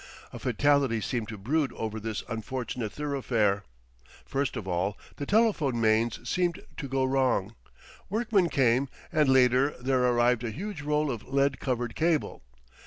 A fatality seemed to brood over this unfortunate thoroughfare. First of all the telephone mains seemed to go wrong. Workmen came, and later there arrived a huge roll of lead covered cable.